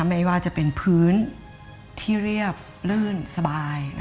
ไม่ว่าจะเป็นพื้นที่เรียบลื่นสบาย